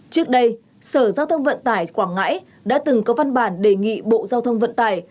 trước đây sở giao thông vận tải quảng ngãi đã từng có văn bản đề nghị bộ giao thông vận tải